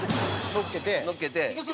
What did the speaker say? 乗っけて。